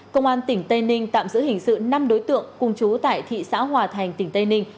công an tỉnh tây ninh tạm giữ hình sự năm đối tượng cùng chú tại thị xã hòa thành tỉnh tây ninh